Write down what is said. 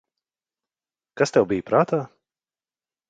Kas tev bija prātā?